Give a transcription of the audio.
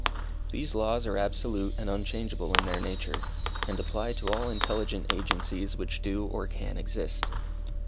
These laws are absolute and unchangeable in their nature, and apply to all intelligent agencies which do or can exist.